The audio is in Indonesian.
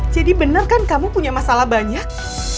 jadi bener kan kamu punya masalah banyak